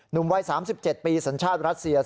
หนุ่มวัย๓๗ปีสัญชาติรัสเซีย